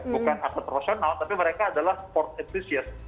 bukan asetrasional tapi mereka adalah sport enthusiast